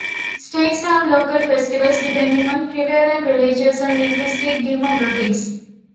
States have local festivals depending on prevalent religious and linguistic demographics.